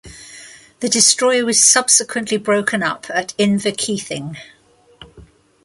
The destroyer was subsequently broken up at Inverkeithing.